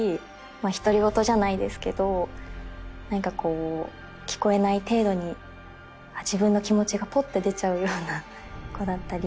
独り言じゃないですけど聞こえない程度に自分の気持ちがポッて出ちゃうような子だったり。